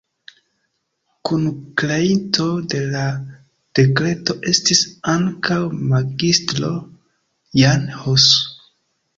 Kunkreinto de la dekreto estis ankaŭ Magistro Jan Hus.